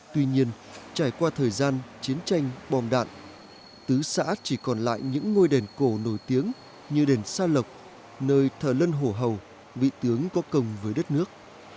tuy nhiên trải qua thời gian chiến tranh bom đạn tứ xã chỉ còn lại những ngôi đền cổ nổi tiếng như đền sa lộc nơi thờ lân hồ hầu vị tướng có công với đất nước